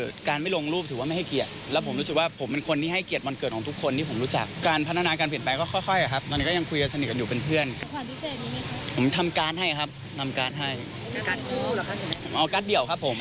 ทำการ์ดให้ครับทำการ์ดให้ทำการ์ดคู่หรอครับเอาการ์ดเดี่ยวครับผม